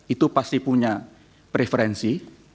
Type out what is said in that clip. itu pasti punya preferensi